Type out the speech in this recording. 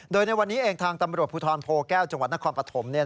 โดยในวันนี้เองทางตำรวจภูทรโพแก้วจังหวัดนครปฐม